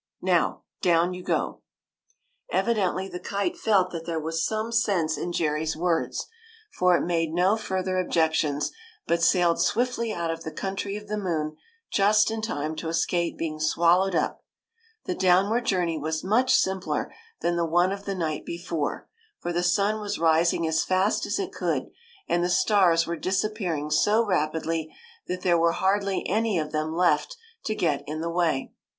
Now, down you go ! ''\y'' Evidently, the kite felt that there was some sense in Jerry's words, for it made no further objections, but sailed swiftly out of the country of the moon just in time to escape being swal lowed up. The downward journey was much simpler than the one of the night before, for the sun was rising as fast as it could, and the stars were disappearing so rapidly that there were hardly any of them left to get in the way.